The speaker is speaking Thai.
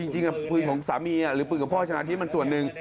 จริงปืนของสามีหรือปืนกับพ่อชนะที่มันส่วนหนึ่ง